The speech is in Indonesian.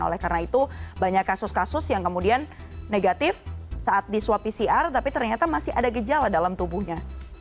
oleh karena itu banyak kasus kasus yang kemudian negatif saat di swab pcr tapi ternyata masih ada gejala dalam tubuhnya